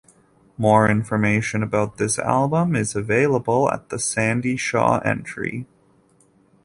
More information about this album is available at the Sandie Shaw entry.